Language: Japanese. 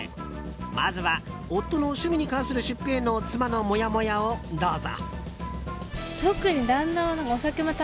まずは、夫の趣味に関する出費への妻のモヤモヤをどうぞ。